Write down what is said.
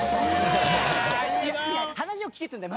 話を聞けっつうんだよ。